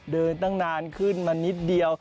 เดินตั้งนานขึ้นมานิดเดียว